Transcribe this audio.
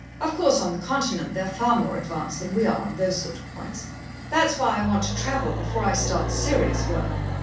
Of course, on the continent they're far more advanced than we are, on those sort of points. That's why I want to travel, before I start serious work.